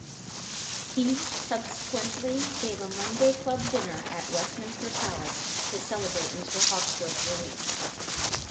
He subsequently gave a Monday Club dinner at Westminster Palace to celebrate Mr.Hawksworth's release.